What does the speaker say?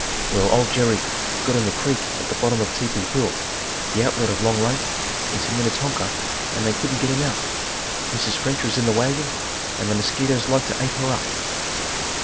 Well old Jerry had got in the creek at the bottom of Tepee hill, the outlet of Long Lake into Minnetonka and they couldn't get him out. Mrs. French was in the wagon and the mosquitoes like to ate her up.